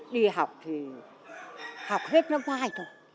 đi học thì học hết nó vai thôi